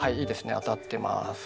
当たってます。